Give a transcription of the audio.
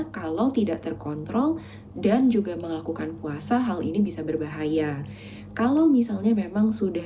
kalau tidak terkontrol dan juga melakukan puasa hal ini bisa berbahaya kalau misalnya memang sudah